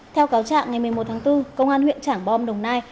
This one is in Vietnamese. theo cáo trạng ngày một mươi một tháng bốn công an huyện trảng bom đồng nai